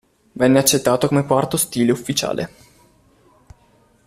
Venne accettato come quarto stile ufficiale.